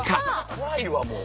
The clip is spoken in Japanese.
怖いわもう。